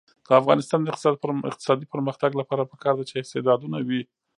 د افغانستان د اقتصادي پرمختګ لپاره پکار ده چې استعدادونه وي.